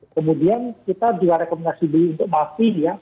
kemudian kita juga rekomendasi dulu untuk mafi ya